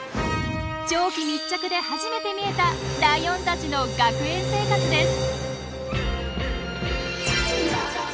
長期密着で初めて見えたライオンたちの学園生活です。